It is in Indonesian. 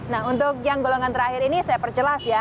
nah untuk yang golongan terakhir ini saya perjelas ya